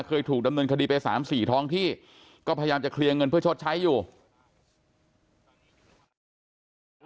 เคยถูกดำเนินคดีไปสามสี่ท้องที่ก็พยายามจะเคลียร์เงินเพื่อชดใช้อยู่